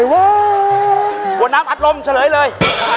หักลมเฉลยเลย